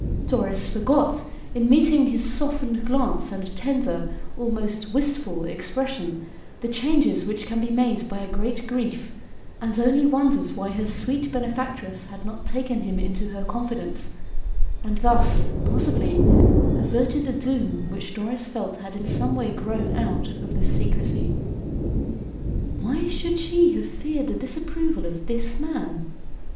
Doris forgot, in meeting his softened glance and tender, almost wistful, expression, the changes which can be made by a great grief, and only wondered why her sweet benefactress had not taken him into her confidence and thus, possibly, averted the doom which Doris felt had in some way grown out of this secrecy. "Why should she have feared the disapproval of this man?"